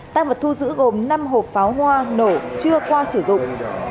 tăng vật thu giữ gồm năm hộp pháo hoa nổ chưa qua sử dụng